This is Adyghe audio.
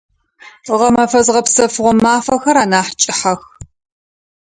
Гъэмэфэ зыгъэпсэфыгъо мафэхэр анахь кӏыхьэх.